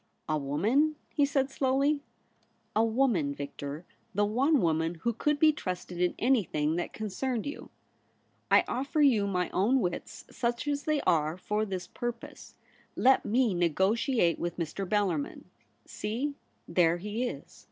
' A woman ?' he said slowly. ' A woman, Victor — the one woman who could be trusted in anything that concerned you. I offer you my own wits, such as they are, for this purpose. Let me negotiate with Mr. Bellarmin. See, there he is.'